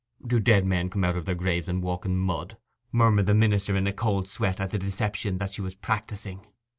'Do dead men come out of their graves and walk in mud?' murmured the minister, in a cold sweat at the deception that she was practising.